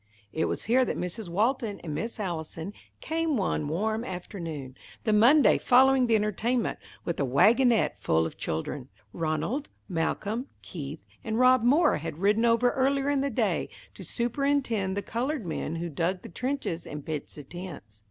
It was here that Mrs. Walton and Miss Allison came one warm afternoon, the Monday following the entertainment, with a wagonette full of children. Ranald, Malcolm, Keith, and Rob Moore had ridden over earlier in the day to superintend the coloured men who dug the trenches and pitched the tents.